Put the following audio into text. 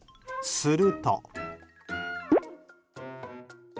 すると。